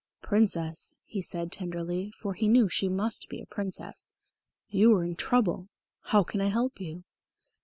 "Princess," he said tenderly, for he knew she must be a Princess, "you are in trouble. How can I help you?"